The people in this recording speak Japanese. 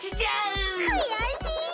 くやしい！